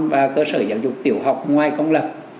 và cơ sở giáo dục tiểu học ngoài công lập